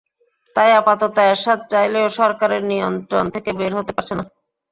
তাই আপাতত এরশাদ চাইলেও সরকারের নিয়ন্ত্রণ থেকে বের হতে পারছেন না।